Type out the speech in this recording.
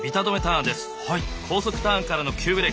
これが高速ターンからの急ブレーキ！